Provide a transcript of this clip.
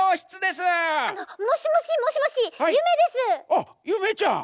あっゆめちゃん！